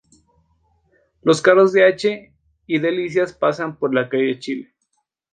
Los carros de H y Delicias pasan por la calle Chile.